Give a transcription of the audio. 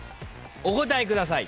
お答えください。